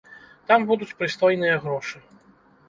Там будуць прыстойныя грошы.